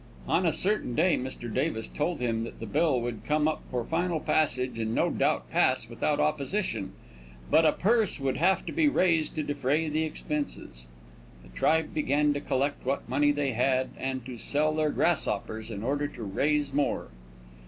On a certain day Mr. Davis told him that the bill would come up for final passage and no doubt pass without opposition, but a purse would have to be raised to defray the expenses. The tribe began to collect what money they had and to sell their grasshoppers in order to raise more.